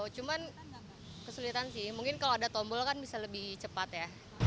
cuman kesulitan sih mungkin kalau ada tombol kan bisa lebih cepat ya